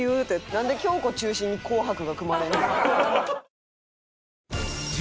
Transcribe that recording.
なんで京子中心に『紅白』が組まれんねん。